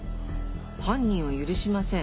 犯人を許しません。